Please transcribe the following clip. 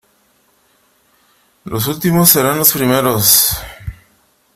Los últimos serán los primeros.